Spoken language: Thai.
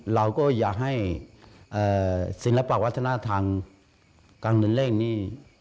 เราก็อย่าให้ศิลปะวัฒนธรรมกลางเดือนแรกนี้